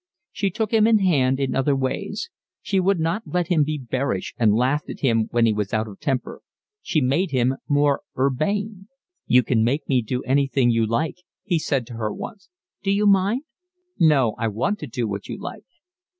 She took him in hand in other ways. She would not let him be bearish and laughed at him when he was out of temper. She made him more urbane. "You can make me do anything you like," he said to her once. "D'you mind?" "No, I want to do what you like."